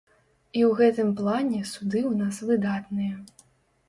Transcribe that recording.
І ў гэтым плане суды ў нас выдатныя.